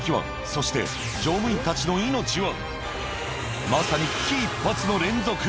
そして乗務員たちの命は？